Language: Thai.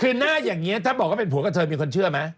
คือหน้าอย่างนี้ถ้าบอกว่าเป็นผัวกับเธอมีคนเชื่อไหม